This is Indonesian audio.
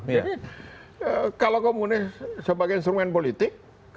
jadi kalau komunis sebagai instrumen politik